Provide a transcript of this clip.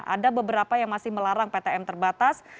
ada beberapa yang masih melarang ptm terbatas